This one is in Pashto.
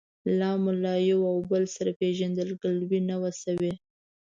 لا مو له یو او بل سره پېژندګلوي نه وه شوې.